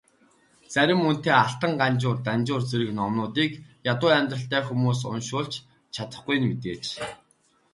Зарим үнэтэй Алтан Ганжуур, Данжуур зэрэг номуудыг ядуу амьдралтай хүмүүс уншуулж чадахгүй нь мэдээж.